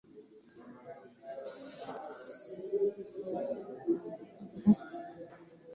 Kirungi okusimbuliza mu budde bw’olwaggulo ennyo.